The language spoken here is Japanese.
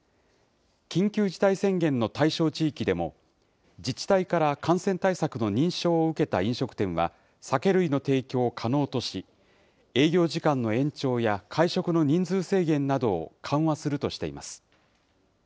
緊急事態宣言の対象地域でも、自治体から感染対策の認証を受けた飲食店は、酒類の提供を可能とし、営業時間の延長や会食の人数制限などを緩和するとしています。